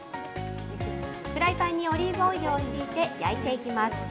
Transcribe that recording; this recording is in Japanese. フライパンにオリーブオイルを引いて、焼いていきます。